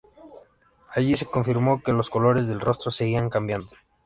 Allí se confirmó que los colores del rostro seguían cambiando.